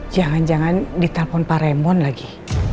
jangan jangan ditalpon pak raymond lagi